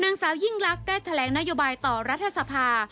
นางสาวยิ่งลักษณ์ได้แถลงนโยบายต่อรัฐสภา